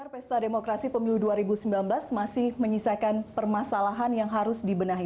pesta demokrasi pemilu dua ribu sembilan belas masih menyisakan permasalahan yang harus dibenahi